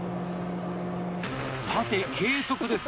さて、計測です。